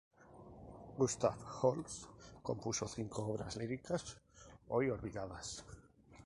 Gustav Holst compuso cinco obras líricas hoy olvidadas.